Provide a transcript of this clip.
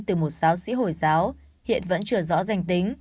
từ một giáo sĩ hồi giáo hiện vẫn chưa rõ danh tính